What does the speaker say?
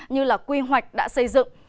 như là quy hoạch đã xây dựng